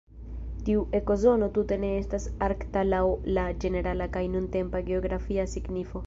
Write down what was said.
Tiu ekozono tute ne estas "arkta" laŭ la ĝenerala kaj nuntempa geografia signifo.